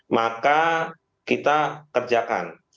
maka kita kerjakan